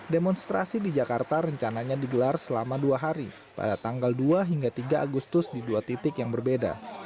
demonstrasi di jakarta rencananya digelar selama dua hari pada tanggal dua hingga tiga agustus di dua titik yang berbeda